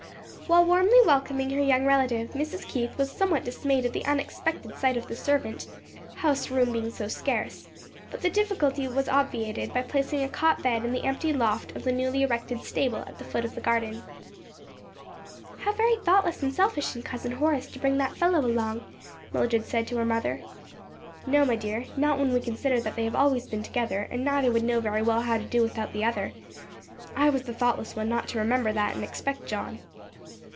While warmly welcoming her young relative, Mrs. Keith was somewhat dismayed at the unexpected sight of the servant house room being so scarce; but the difficulty was obviated by placing a cot bed in the empty loft of the newly erected stable at the foot of the garden. "How very thoughtless and selfish in Cousin Horace to bring that fellow along," Mildred said to her mother. "No, my dear, not when we consider that they have always been together and neither would know very well how to do without the other. I was the thoughtless one not to remember that and expect John."